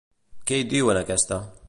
Què hi diu en aquesta?